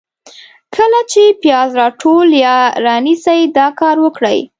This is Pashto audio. کله چي پیاز راټول یا رانیسئ ، دا کار وکړئ: